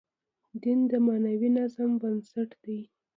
دین د معنوي نظم بنسټ دی.